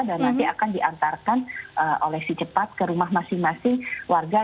dan nanti akan diantarkan oleh si cepat ke rumah masing masing warga